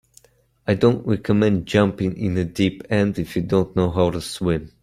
I don't recommend jumping in the deep end if you don't know how to swim.